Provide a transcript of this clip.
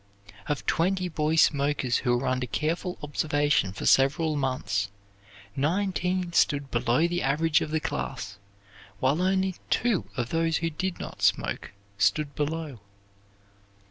Of twenty boy smokers who were under careful observation for several months, nineteen stood below the average of the class, while only two of those who did not smoke stood below.